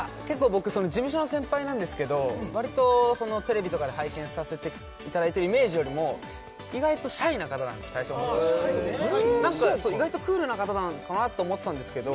事務所の先輩なんですけどわりとテレビとかで拝見させていただいてるイメージよりも意外とシャイな方だって最初思いましたえそうかクールな方なのかなと思ってたんですけど